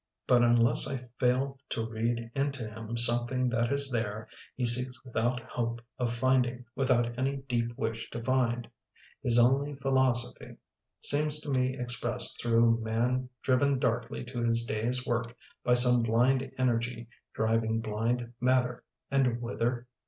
But unless I fail to read into him something that is there, he seeks without hope of finding, without any deep wish to find. His only philosophy '\ n DREISER— AFTER TWENTY YEARS 39 seems to me expressed through man driven darkly to his day's work by some blind energy driving blind mat ter, and whither?